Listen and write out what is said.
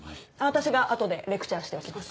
私が後でレクチャーしておきます。